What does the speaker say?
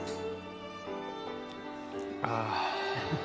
ああ。